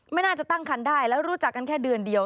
ไม่น่าจะตั้งคันได้แล้วรู้จักกันแค่เดือนเดียว